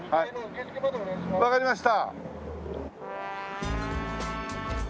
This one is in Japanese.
わかりました。